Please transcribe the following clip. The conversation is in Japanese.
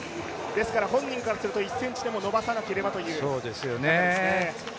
ですから本人からすると１ｃｍでも延ばさなければということですね。